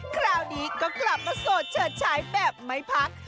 คราวนี้ก็กลับมาโสดเฉิดฉายแบบไม่พัก